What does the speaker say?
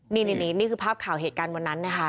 นี่คือภาพข่าวเหตุการณ์วันนั้นนะคะ